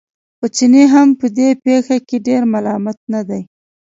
خو چینی هم په دې پېښه کې ډېر ملامت نه دی.